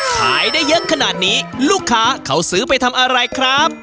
ขายได้เยอะขนาดนี้ลูกค้าเขาซื้อไปทำอะไรครับ